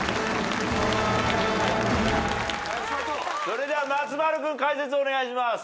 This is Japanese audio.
それでは松丸君解説をお願いします。